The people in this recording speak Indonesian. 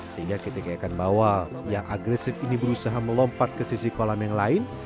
sehingga ketika ikan bawal yang agresif ini berusaha melompat ke sisi kolam yang lain